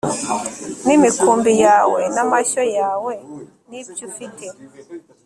n imikumbi yawe n amashyo yawe n ibyo ufite